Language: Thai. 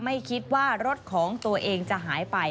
ไม่คิดว่ารถของตัวเองจะหายไป